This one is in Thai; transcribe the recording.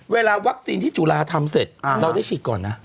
เวลาวัคซีนที่จุฬาทำเสร็จเราได้ฉีดก่อนนะ